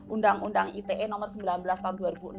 undang undang ite nomor sembilan belas tahun dua ribu enam belas